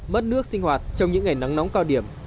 mất nước sinh hoạt trong những ngày nắng nóng cao điểm